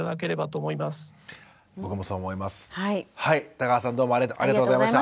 田川さんどうもありがとうございました。